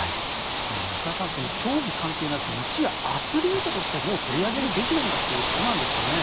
増田さん競技関係なくいちアスリートとして取り上げるべきなんだということですかね。